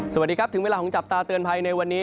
สวัสดีครับถึงเวลาของจับตาเตือนภัยในวันนี้